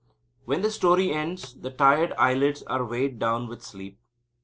When the story ends the tired eyelids are weighed down with sleep.